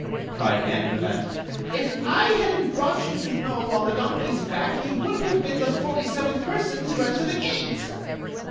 '* cried Aunt Rivette. " If I had n't brought you to Nole on the donkey's back, you would n't have been the forty seventh person to enter the gate."